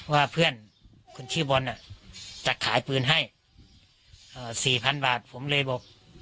ว่าเพื่อนคนชื่อบอลจะขายปืนให้สี่พันบาทผมเลยบอก